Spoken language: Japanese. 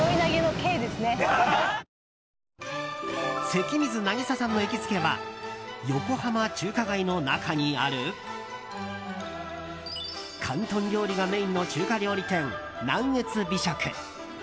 関水渚さんの行きつけは横浜中華街の中にある広東料理がメインの中華料理店南粤美食。